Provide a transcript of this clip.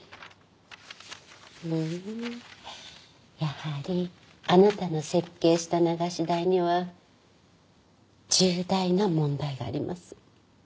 やはりあなたの設計した流し台には重大な問題があります。